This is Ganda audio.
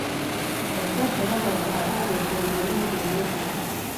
Abazadde bawadde abaana eddembe lingi nnyo.